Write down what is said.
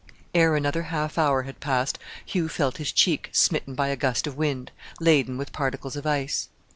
Ere another half hour had passed Hugh felt his cheek smitten by a gust of wind, laden with particles of ice.